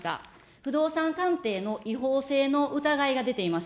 不動産鑑定の違法性の疑いが出ています。